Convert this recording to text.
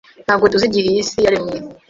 Ntabwo tuzi igihe iyi si yaremye.